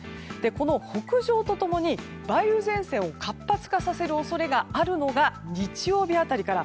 この北上と共に梅雨前線を活発化させる恐れがあるのが日曜日辺りから。